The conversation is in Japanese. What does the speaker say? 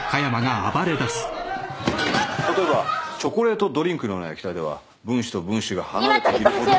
例えばチョコレートドリンクのような液体では分子と分子が離れているほど。